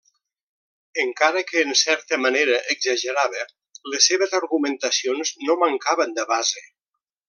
Encara que en certa manera exagerava, les seves argumentacions no mancaven de base.